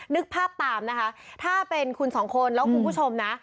นึกภาพตามถ้าเป็นคุณสองคนและคุณผู้ชม